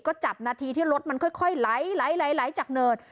ก็จับนาทีที่รถมันค่อยไหลจากเนิด